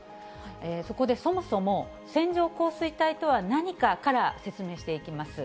そこで、そもそも線状降水帯とは何かから、説明していきます。